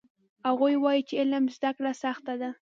هغوی وایي چې علم زده کړه سخته ده